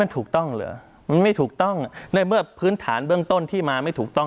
ถูกต้องเหรอมันไม่ถูกต้องในเมื่อพื้นฐานเบื้องต้นที่มาไม่ถูกต้อง